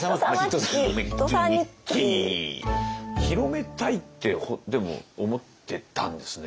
広めたいってでも思ってたんですね。